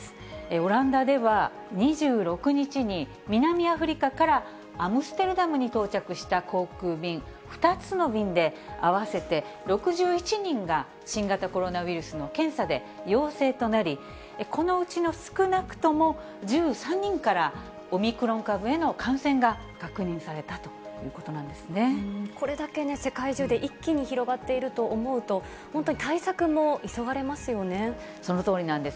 オランダでは２６日に、南アフリカからアムステルダムに到着した航空便２つの便で、合わせて６１人が新型コロナウイルスの検査で陽性となり、このうちの少なくとも１３人から、オミクロン株への感染が確認されこれだけ世界中で一気に広がっていると思うと、そのとおりなんです。